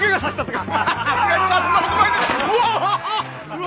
うわ！